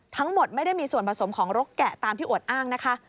ทั้งหมดไม่ได้มีส่วนผสมของรกแกะตามที่อวดอ้างนะคะ